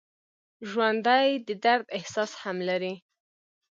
ژوندي د درد احساس هم لري